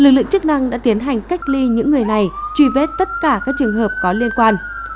lực lượng chức năng đã tiến hành cách ly những người này truy vết tất cả các trường hợp có liên quan